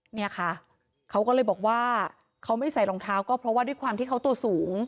เนี่ยค่ะเขาก็เลยบอกว่าเขาไม่ใส่รองเท้าก็เพราะว่าด้วยความที่เขาตัวสูง